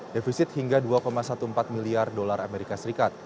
defisit hingga dua empat belas miliar dolar as